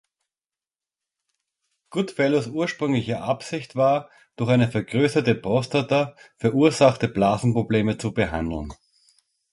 Goodfellows ursprüngliche Absicht war, durch eine vergrößerte Prostata verursachte Blasenprobleme zu behandeln.